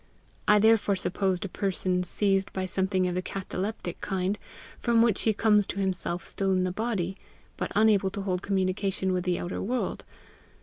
I therefore supposed a person seized by something of the cataleptic kind, from which he comes to himself still in the body, but unable to hold communication with the outer world.